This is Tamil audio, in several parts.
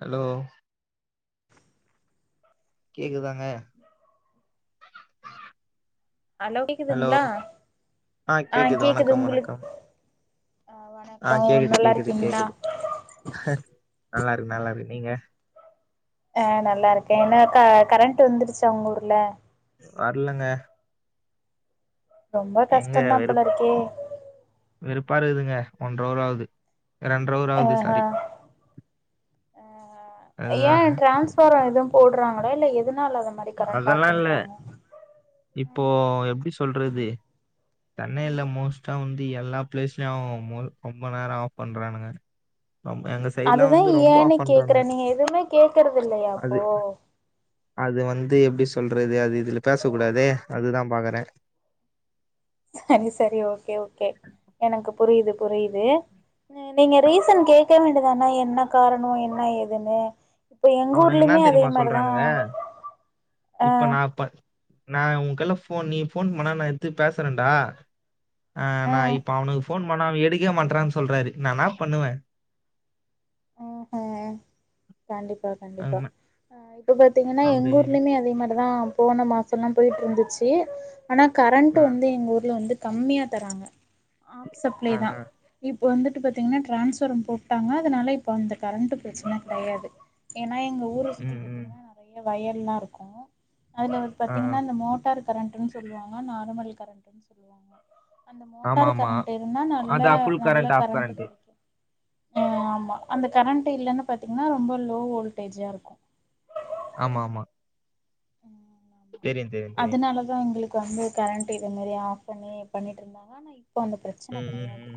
ஹலோ கேக்குதாங்க ஹலோ ஆ கேக்குது வணக்க வணக்கம் ஆ ஆ வணக்கோ கேக்குது நல்லா கேக்குது இருக்கீங்களா கேக்குது நல்லார்க்கு நல்லாரு நீங்க ஆ நல்லார்க்கே என்னா கா கரண்ட் வந்துருச்சா உங்க ஊர்ல வர்லங்க ரொம்ப எங்க கஷ்டன்தா வெறு போல இருக்கே வெறுப்பா இருக்குதுங்க ஒன்றோவ்ராவ்து ரெண்ட்ரவர் அஹா அ அதுதா ஏன் டிரான்ஸ்பாரா எதும் போட்றாங்களா இல்ல எதுனால அது மாரி கரண்ட் ஆஃப் அதெல்லா இல்ல பண்றாங்க இப்போ எப்டி சொல்றதே தன்னைய்ல மோஸ்ட்டா வந்து எல்லா ப்ளேஸ்ல்யு ஒம்மோள் ரொம்ப நேர ஆஃப் பண்றானுங்க ஆம் எங்கஸ் அதுதா ஏன்னு கேக்குற நீங்க எதுமே கேக்கற்துல்லையா அது அப்போ அது வந்து எப்டி சொல்றது அது இதுல பேச கூடாதே அதுதா பாக்குறே சரி சரி ஓகே ஓகே எனக்கு புரிய்து புரிய்து நே நீங்க ஆ ரீசன் கேக்க வேண்டுதான என்ன காரணோ என்ன ஏதுன்னு இப்ப எங்க அவனுங்க என்னா ஊர்லயுமே அதே தெரியுமா மாரிதா சொல்றானுங்க ஆ இப்ப நா ப நா உங்க்கெல்லா ஃபோன் நீ ஃபோன் பண்ணா நா எத்து பேசுறன்டா ஆ நா இப்ப அவ்னுக்கு ஃபோன் பண்ணா அவன் எடுக்கவேமாட்றா சொல்றாரு என்ன நா பண்ணுவே உ அ கண்டிப்பா கண்டிப்பா ஆமா, ஆ இப்ப பாத்தீங்கன்னா அவரு எங்க ஊர்ல்யுமே அதே மாரிதாம் போன மாசொல்லா போயிட்ருந்துச்சி ஆனா கரண்ட் ஆ, வந்து எங்க ஊர்ல வந்து கம்மியா தராங்க ஆஃப் சப்ளை ஆ, தா ஆ, இப் வந்துட்டு பாத்தீங்கன்னா டிரான்ஸ்வரம் போட்டாங்க அதனால இப் பந்த கரண்ட்டு ப்ரச்சன கெடையாது ஏன்னா எங்க ஊர சுத்தி ம் ம் பாத்தீங்கன்னா நறைய வயல்லா இருக்கு அதுல ஆ, ஆ. பாத்தீங்னா இந்த மோட்டார் கரண்ட்டுன்னு சொல்லுவாங்க நார்மல் கரண்டுன்னு சொல்லுவாங்க அந்த ஆமா மோட்டார் ஆமா கரண்ட் இருந்தா நல்லா அதான் ஃபுல் நல்ல ஆஃப் கரண்ட் கெடைக்கு ஆ ஆமா அந்த கரண்ட் இல்லன்னு பாத்தீங்னா ரொம்ப லோ வோல்டேஜா இருக்கு ஆமா ஆமா தெரியும் தெரியும் தெரியும் அதனாலதா எங்களுக்கு வந்து கரண்ட் இத மாறி ஆஃப் பண்ணி பண்ணிட்டு இருந்தாங்க ஆனா இப்ப அந்த பிரச் ம் ம்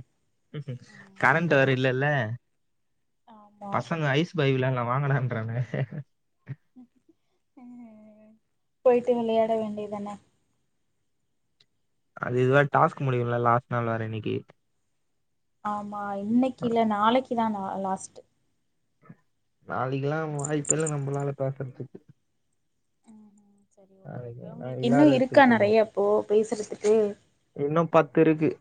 ம் கரண்ட் வேற இல்ல இல்ல ஆமா பசங்க ஐஸ் பாய் விளாயாடலா வாங்கன்றாங்க அ அ போயிட்டு விளையாட வேண்டியது தான அது இது வ டாஸ்க் முடியு இல்ல லாஸ்ட் நாள் வேற இன்னைக்கி ஆமா இன்னைக்கி இல்ல நாளைக்கு தா லாஸ்ட்டு நாளைக்கு எல்லா வாய்ப்பு இல்ல நம்மளால பேசுறத்துக்கு ம் சரி ஓகே நாளைக்கு ஓகே நான் உங்களுக்கு இன்னு விளையாடுறதுக்கு இருக்கா நறைய பேசுறத்துக்கு இன்னு பத்து இருக்கு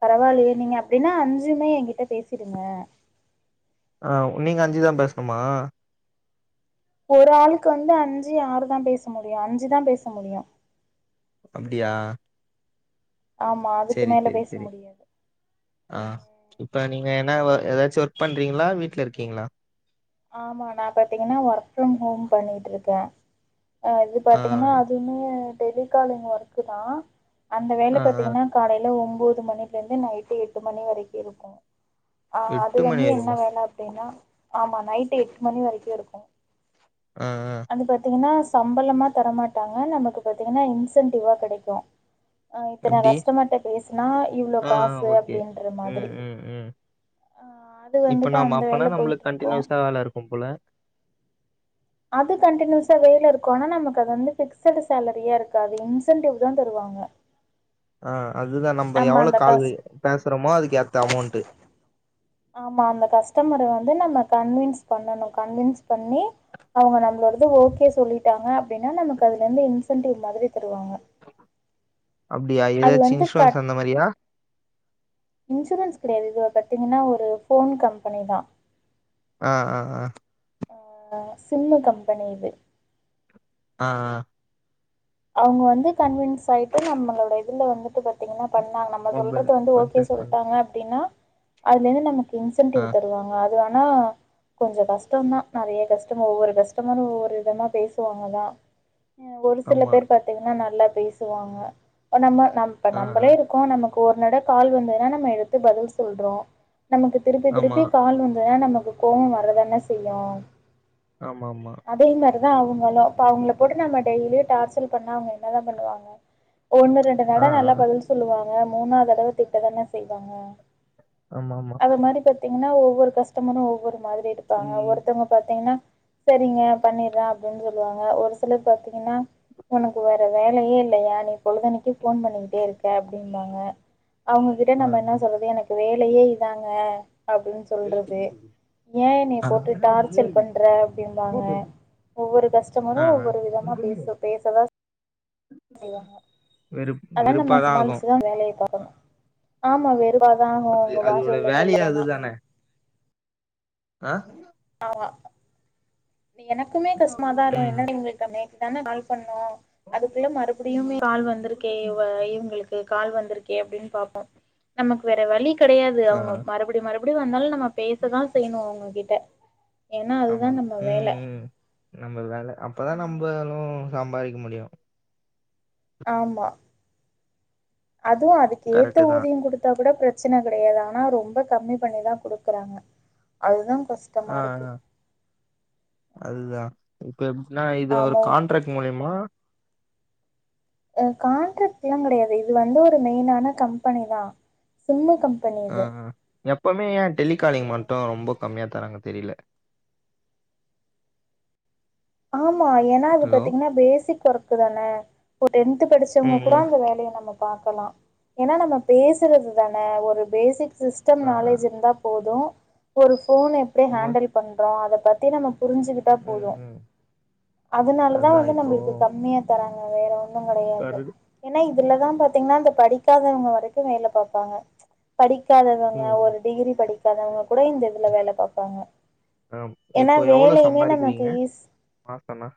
பரவாயில்லையே நீங்க அப்டின்னா அஞ்சுமே ஏகிட்ட பேசிடுங்க ஆ நீங்க அஞ்சிதா பேசணுமா ஒரு ஆளுக்கு வந்து அஞ்சு ஆறு தா பேச முடியு அஞ்சி தா பேச முடியு அப்டியா ஆமா அதுக்கு சேரி மேல சேரி பேச சேரி முடியாது ஆ இப்போ நீங்க என்னா ஏதாச்சும் ஒர்க் பண்றீங்களா வீட்ல இருக்கீங்ளா ஆமா நா பாத்தீங்னா ஒர்க் ஃப்ரம் ஹோம் பண்ணிட்டு இருக்க அ அது ஆ பாத்தீங்கன்னா அது மூ அ டெலிகாலிங் ஒர்க்கு தா அந்த ஆ வேலை ஆ பாத்தீங்னா காலேல ஒன்போது மணில இருந்து நைட்டு எட்டு மணி வரைக்கு இருக்கு ஆ அது எட்டு மணி வந்து என்ன வரையுமா வேல அப்டின்னா ஆமா நைட்டு எட்டு மணி வரைக்கு இருக்கு ம் ம் அது பாத்தீங்னா சம்பளமா தரமாட்டாங்க நமக்கு பாத்தீங்கன்னா இன்சென்டிவ்வா கெடைக்கு ஆ இத்தன எப்டி கஸ்டமர்கிட்ட பேசினா இவ்வள ஆ ஆ காசு ஓகே அப்டின்ற ம் மாறி ம் ம் ஆ அது இப்ப வந்துட்டு நாம அந்த அப்பனா வேல போயிட்டு நம்மளுக்கு இருக்கு கண்டினியூஸா வேல இருக்கும் போல அது கண்டினியூஸா வேல இருக்கு ஆனா நமக்கு அது வந்து ஃபிக்ஸ்டு சேலரியா இருக்காது இன்ஸ்டன்ட் தா தருவாங்க ஆ அதுதா நம்ம எவ்ளோ அந்த கால் கஸ் பேசறோமோ அதுக்கு ஏத்த அமௌண்ட் ஆமா அந்த கஸ்டமர வந்து நம்ம கன்வின்ஸ் பண்ணணு கன்வின்ஸ் பண்ணி அவுங்க நம்மளோடத ஓகே சொல்லிட்டாங்க அப்டின்னா நமக்கு அதுல இருந்து இன்சென்டிவ் மாறி தருவாங்க அப்டியா அது ஏதாச்சியு வந்து கட் இன்சூரன்ஸ் அந்த மாதிரியா இன்சூரன்ஸ் கெடையாது இது பாத்தீங்னா ஒரு போன் கம்பெனி தா அ அ அ அ அ சின்ன கம்பெனி இது அஆ அவுங்க வந்து கன்வின்ஸ் ஆயிட்டு நம்மளோட இதுல வந்துட்டு பாத்தீங்னா பண்ணாங்களாம் மொபைல் சொல்றது வந்து ஓகே பர்ச்சேஸ் பண்ண சொல்லிட்டாங்க அப்டின்னா அதுல இருந்து நமக்கு ஆ இன்சென்டிவ் தருவாங்க அது ஆன் நோ கொஞ்ச கஷ்டோதா நறைய கஸ்டம்பர் ஒவ்வொரு கஸ்டமரும் ஒவ்வொரு விதமா பேசுவாங்கதா ஒரு சில ஆமா பேர் பாத்தீங்கன்னா நல்லா பேசுவாங்க நம்ம நம்ம ஆ ஆ நம்மளே இரு நமக்கு ஒரு நட கால் வந்ததுன்னா நம்ம எடுத்து பதில் சொல்றோ நமக்கு திருப்பி ஆமா திருப்பி கால் வந்ததுன்னா நமக்கு கோவோ வராதான செய்யு ஆமா ஆமா அதே மாரிதா அவுங்களு இப்ப அவுங்கள போட்டு நம்ம டெய்லியு டார்ச்சல் பண்ணா அவுங்க என்ன தா பண்ணுவாங்க ஒன்னு ரெண்டு ஆ நட நல்லா ஆ பதில் சொல்லுவாங்க மூணாவது தடவ திட்ட தான செய்வாங்க ஆமா ஆமா அத மாரி பாத்தீங்கன்னா ஒவ்வொரு கஸ்டமரு ஒவ்வொரு மாதிரி இருப்பாங்க ம். ஒருத்தவங்க பாத்தீங்கன்னா சரிங்க பண்ணிட்ற அப்டின்னு சொல்லுவாங்க ஒரு சிலர் பாத்தீங்கன்னா உனக்கு வேற வேலயே இல்லையா நீ பொழுதனைக்கு ஃபோன் பண்ணிக்கிட்டே அப்டின்னாங்க அவுங்ககிட்ட ஆ, நம்ம என்ன சொல்றது எனக்கு வேலயே இதாங்க அப்டின்னு சொல்றது ஏ என்னைய ஆ, போட்டு டார்ச்சல் பண்ற அப்டிம்பாங்க ஒவ்வொரு கஷ்டமரு ஆ, ஆ. ஒவ்வொரு விதமா பேசு பேசதா செய்வாங்க வெறுப் அதா நம்ம வெறுப்பாதான் ஆகும் சமாளிச்சுதா வேலய பாக்கணு ஆமா வெறு அப்பதாஹோ அது உங்க அதோட பாஷைல வேலையே சொல்லனுன்னா அ ஆ எனக்குமே கஷ்டமாதா இருக்கு ம் என்னடி இவங்களுக்கு நேத்து தான கால் பண்ணோ அதுக்குள்ள மறுபடியுமே கால் வந்திருக்கே இவ இவுங்களுக்கு கால் வந்திருக்கே அப்டின்னு பாப்போ நமக்கு வேற வழி கிடையாது ஆ, அவுங்க மறுபடி மறுபடியு வந்தாலு நம்ம பேசதா செய்ணு அவுங்ககிட்ட ஏன்னா அதுதா ஆமா நம் ம் ம் நம்ம வேல அப்பதா ம் நம்பலு சம்பாதிக்க முடியு ஆமா அதுவு அதுக்கு ஏத்த கரெக்ட் தான் ஊதியோ குடுத் கூட பிரச்சன கெடையாது ஆனா ரொம்ப கம்மி பண்ணிதா குடுக்கறாங்க அதுதா கஷ் ஆ அதுதா இப்ப எப்டினா இது ஒரு ஆமா கான்ட்ராக்ட் மூலியமா கான்ட்ராக்ட்லா கெடையாது இது வந்து ஒரு மெயினான கம்பெனி தா சிம்மு கம் ஆ எப்பமே ஏ டெலிகாலிங் மட்டு ரொம்ப கம்மியா தராங்க தெரில ஆமா ஏன்னா அது ஹலோ பாத்தீங்கன்னா பேசிக் ஒர்க்கு தான இப்போ டென்து படிச்சவங்க ம் கூட ம் அந்த வேலைய நமக் பாக்கலா ஏன்னா நம்ம பேசுறது தான ஒரு பேசிக் சிஸ் டம் ஆ, ஆ. நாளேட்ஜ் இருந்தா போது ஒரு ஃபோன எப்டி மோ- ஹாண்டல் பண்றோ அத பத்தி நம்ப புரிஞ்சு ம் ம் அதுனாலதா அதான் வந்து இப்போ நம்மளுக்கு கம்மியா தராங்க வேற ஒன்னு கிடையாது கரு ஏன்னா இதுலதா பாத்தீங்கன்னா இந்த படிக்காதவங்க வரைக்கு வேல பாப்பாங்க படி படிக்காதவங்க ம் ஒரு ம். டிகிரி படிக்காதவங்க கூட இந்த இதுல வேல பாப்பாங்க ஆம். ஏன்னா வேலையுமே நமக்கு ஈஸ் மாசோ ன்னா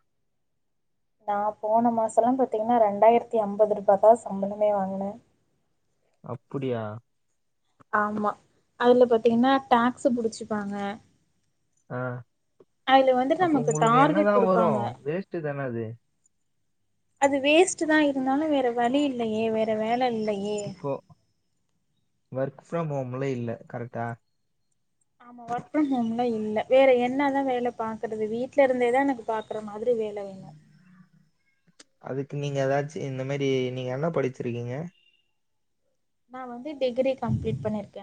நா போன மாசல்லா பாத்தீங்கன்னா ரெண்டாயிரத்தி அம்பது ருபா தா சம்பளமே வாங்கன அப்புடியா ஆமா அதுல பாத்தீங்கன்னா டாக்ஸ் புடிச்சிப்பாங்க ஆ வந்துட்டு அப்போ நமக்கு உங்களுக்கு டார்கெட் என்னதா வரு குடுப்பாங்க வேஸ்ட்டு தான அது அது வேஸ்ட் தா இருந்தாலு வேற வழி இல்லையே வேற வேல இல்லை இப்போ ஒர்க் ஃப்ரம் ஹோம்ல இல்ல கரட்டா ஆமா ஒர்க் ஃப்ரம்ஹோம்ல இல்ல வேற என்னதா வேல பாக்குறது வீ்ட்ல இருந்தேதா எனக்கு பாக்ற மாரி வேல வேணு அதுக்கு நீங்க எதாச்சு இந்த மாரி நீங்க என்ன படிச்சிருக்கீங்க நா வந்து டிகிரி கம்ப்ளீட் பண்ணியிருக்க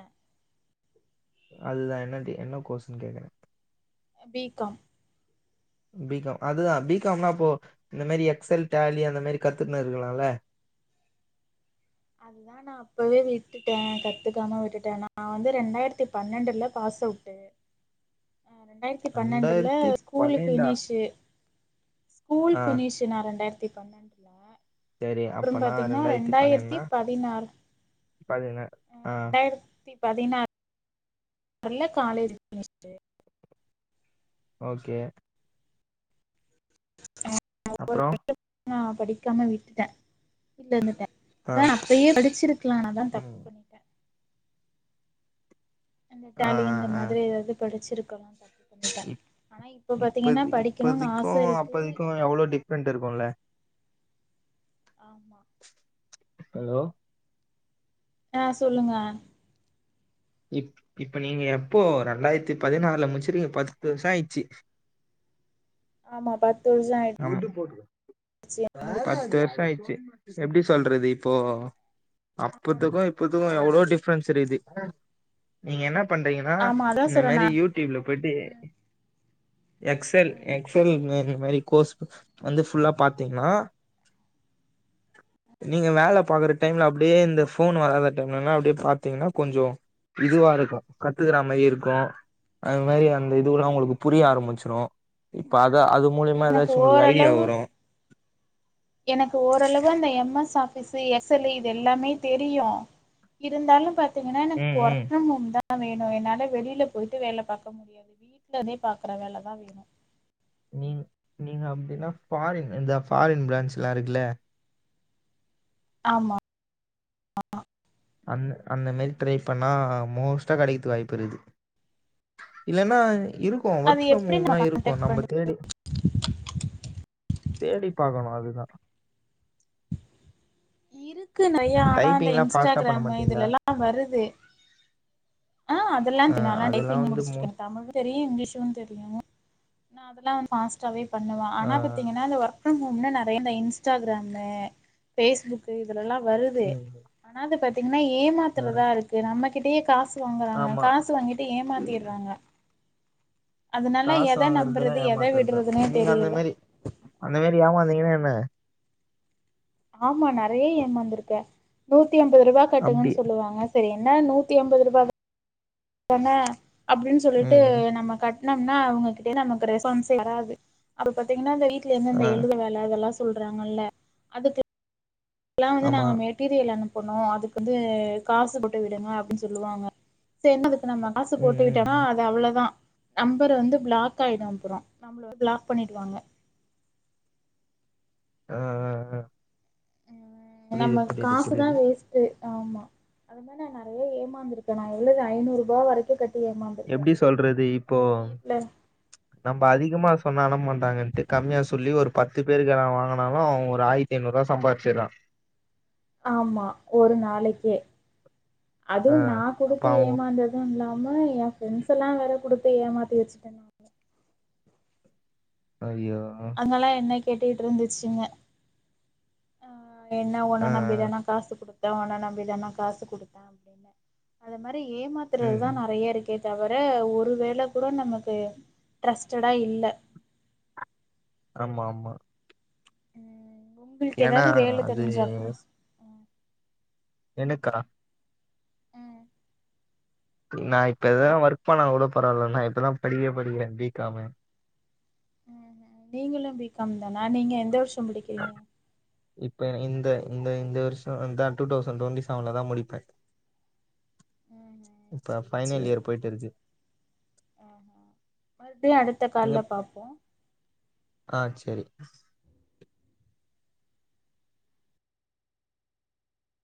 அதுதா என்னடி என்ன கோஸன்னு கேக்குற பி காம் பி காம் அதுதா பி காம்னா இப்போ இந்த மாரி எக்ஸ் எல் டலி அந்த மாரி கத்துக்குன்னு இருக்கலால்ல அது வேணா அப்பவே விட்டுட்ட கத்துக்காம விட்டுட்ட நா வந்து ரெண்டாயிரத்தி பன்னெண்டுல பாஸ் அவுட்டு அஹ் ரெண்டாயிரத்தி பன்னெண்டுல ரெண்டாயிரத்தி ஸ்கூலு பன்னெண்டா ஃபினிஷு ஸ்கூல் ஆ ஃபின்னிஷ் நா ரெண்டாயிரத்தி பன்னெண்டல்ல சரி அப்புறம் அப்பனா பாத்தீங்கன்னா ரெண்டாயிரத்தி பன்னெண்டுனா பதினாறு பதினேழு ஆ இரண்டாயிரத்தி பதினாறு ல்ல காலேஜ் ஃபின்னிஷ்டு ஓகே அப்றோ நா படிக்காம விட்டுட்ட வீட்ல இருந்துட்ட ஆ அதா அப்பயே படிச்சிருக்கலா நா தா ம் தப்பு பண்ணிட்டே ஆ டலி இந்த ஆ மாரி ஏதாவது படிச்சிருக்கணு இப் இப்பது படிக்கணுனு ஆச இப்பதிக்கு இருக்கு அப்போதிக்கு எவ்ளோ டிஃப்ரெண்ட் இருக்குல்ல ஆமா ஹலோ அ சொல்லுங்க இப் இப்ப நீங்க எப்போ ரெண்டாயிரத்தி பதினாறுல முடிச்சுருக்கீங்க பத்து வருஷோ ஆயிடுச்சு ஆமா பத் பத்து முடிச் வருஷோ ஆய்ருச்சு ச எப்டி சொல்றது இப்போ அப்பத்துக்கு ஆமா இப் இப்பத்துக்கு எவ்ளோ டிஃப்ரன்ஸ் இருக்குது நீங்க என்ன பண்றீங்கன்னா ஆமா அதா இந்த மாதிரி சொல்றேனா யூ ட்யுப்ல போயிட்டு எக்ஸ் எல் எக்ஸ் எல் வர மாரி கோர்ஸ் ப வந்து ஃபுல்லா பாத்தீங்கன்னா நீங்க வேல பாக்குற டைம்ல அப்டியே இந்த ஃபோன் வராத டைம்லலா அப்டியே பாத்தீங்கன்னா கொஞ்சோ இதுவா இருக்கு கத்துக்கற மாரியு இருக்கு அது மாரி அந்த இதுவுல்லா உங்களுக்கு புரிய ஆரம்பிச்சிரு இப்ப அத அது மூலிய மா எனக்கு ஏதாச்சு உங்களுக்கு ஐடியா ஓரளவு வரு எனக்கு ஓரளவு அந்த M S office Excel இது எல்லாமே தெரியு இருந்தாலும் பாத்தீங்கன்னா ம் எனக்கு ஒர்க் ம் ஃப்ரம் ஹோம் தா தா வேணு என்னால வெளியில போயிட்டு வேல பாக்க முடியாது வீட்ல இருந்தே பாக்கற வேலதா வேணு நீங் நீங்க அப்டின்னா ஃபாரின் இந்த ஃபாரின் பிரான்ச்சுல்லா இருக்குல்ல ஆமா அந் அந்த மாரி ட்ரை பண்ணா மோஸ்ட்டா கிடைக்குதுக்கு வாய்ப்பு இருக்து இல்லன்னா இருக்கு அது ஒர்க் ஃப்ரம் எப்டி நம்ம ஹோம்ல்லா இருக்கு கான்டக்ட் நம்ம பண்றது தேடி தேடி பாக்கணு அதுதா இக்கு நறைய ஆனா அந்த டைப்பிங்லா ஃபாஸ்ட்டா பண்ண இன்ஸ்டாகிராமு மாட்டீங்களா இதுலல்லா வருது ஆ அதெல்லா ஆ தெ நல்லா அதெல்லா டைப்பிங்க வந்து முடிச்சிருக்க மோஸ் தமிழு தெரியு இங்கிலீஷு தெரியு நா அதெல்லா ஃபாஸ்ட்டாவே பண்ணுவ ஆ ஆனா பாத்தீங்கன்னா அந்த ஒர்க் ஒர்க் ப்ரம் ஹோம்ன்னா நெறையா இந்த இன்ஸ்டாகிராம்ல ஃபேஸ்புக் இதுலல்லா வருது ம் ஆனா அது பாத்தீங்கன்னா ஆ ஏமாத்திறதா இருக்கு நம்மகிட்டயே காஸ் வாங்கறாங்க ஆமா காசு வாங்கிட்டு ஏமாத்திடுறாங்க அதனால காசு எத வாங்குறதெல்லா நம்புறது எத ஏமாத்துறதா விடுறதுன்னே நீங்க தெரியல அந்த மாரி அந்த மாரி ஏமாந்தீங்கன்னா என்ன ஆமா நறையா ஏமாந்துருக்கே நூத்தி ஐம்பது ரூபா அப்டி கட்டுங்கன்னு சொல்லுவாங்க சேரி என்ன நூத்தி ஐம்பது ரூபா தான அப்டின்னு சொல்லிட்டு ம் ம். நம்ம கட் ணம்ன்னா அவங்ககிட்ட இருந்து நமக்கு ரெஸ்பான்ஸே வராது அப்ப பாத்தீங்கன்னா இந்த வீட்ல ஆ இருந்துருந்த எழுத வே ல அதெல்லா சொல்றாங்கல்ல அதுக்கு லா வந்து ஆமா நாங்க மெட் டீரியல் அனுப்பனு அதுக் வந்து காசு போட்டு விடுங்க அப்டின் சொல்லுவாங்க சேரின் நம்ம காசு ம் போட்டு ம் விட்டானா ம் அது அவ்ளதா நம்பர் வந்து பிளாக் ஆயிடு அப்புற நம்ளோட பண்ணிடுவாங்க அ அ அ நம்மளுக் காசுதா புரியுது வேஸ்ட் ட்டு ஆமா அது மார் நா நறைய ஏமாந்திருக்கே நா எழுத ஐநூறுபா வரைக்கு கட் எப்டி சொல்றது இப்போ வீட்ல நம்ப அதிகமா சொன்னா அனப் மாட்டாங்கன்ட்டு கம்மியா சொல்லி ஒரு பத்து பேர்கிட வாங்கினாலு ஒரு ஆயி எண்னூறுபா சம்பாதிச்சி தா ஆமா ஒரு நாளைக்கே ஆ அதுவு நா அப்ப குடுத்து அவன் ஏமாந்தது இல்லாம என் ஃப்ரெண்ட்ஸ்ஸுலா வேற குடுத்து ஏமாத்தி வச்சுட்டே நா அய்யோ ங்கலா என்ன கேட்டிட் இருந்துச்சுங்க எ என்ன உன ஆ நம்பிதானா காசு குடுக் த உன நம்பிதானா காசு குடுத்தே அப்டின்னு அத மாரி ம் ஏமாத்துறதுதா ம் நிறைய இருக்கு க்கே தவர ஒரு வேல கூட நமக்கு ட்ரஸ்ட்டடா இல்ல ஆமாம்மா ம் உங்களுக்கு ஏன்னா ஏதாவது வேல அது தெரிஞ்சா கூட எனுக்கா நா இப்ப எதா ஒர்க் பண்ணாள்ங் கூட பரவால்ல நா இப்பதா படிக்கே படிகிற பிகாமே நீங்களு பி கம் தானா நீங்க எந்த வர்ஷோ முடி இப்ப இந்த இந்த இந்த வருஷ வந்தா டூ தௌசண்ட் டுவெண்டி செவன்ல தா முடிப்பே இப்ப சேரி பைனல் இயர் போயிட் இருக்கு மறுடியு அடுத்த நீங்க கால்ல பாப்போ ஆ செரி